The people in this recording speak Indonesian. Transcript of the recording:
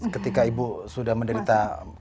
ketika ibu sudah menderita